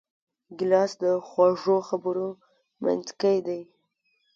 ګیلاس د خوږو خبرو منځکۍ دی.